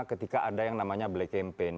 ketika ada yang namanya black campaign